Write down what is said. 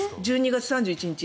１２月３１日。